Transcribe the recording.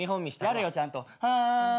やれよちゃんと。